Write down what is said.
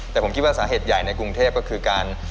แต่ผมคิดว่าสาเหตุใหญ่ในกรุงเทพก็คือการ